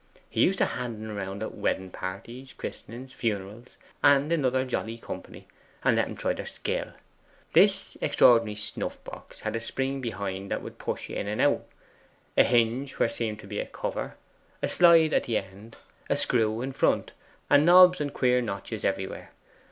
He used to hand en round at wedding parties, christenings, funerals, and in other jolly company, and let 'em try their skill. This extraordinary snuff box had a spring behind that would push in and out a hinge where seemed to be the cover; a slide at the end, a screw in front, and knobs and queer notches everywhere.